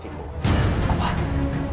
kau tak bisa mencoba